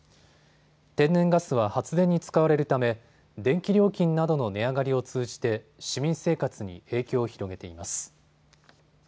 天然ガスは発電に使われるため電気料金などの値上がりを通じて市民生活に影響を広げています。